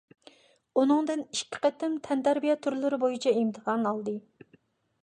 ئۇنىڭدىن ئىككى قېتىم تەنتەربىيە تۈرلىرى بويىچە ئىمتىھان ئالدى.